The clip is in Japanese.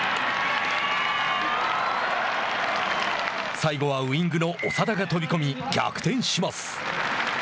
最後はウイングの長田が飛び込み逆転します。